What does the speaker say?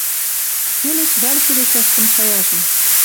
Келеш вӓл келесӓш кым шаяжым